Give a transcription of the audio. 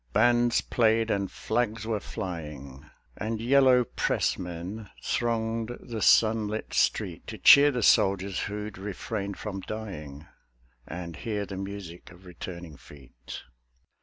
Bands played and flags were flying, And Yellow Pressmen thronged the sunlit street To cheer the soldiers who'd refrained from dying, And hear the music of returning feet.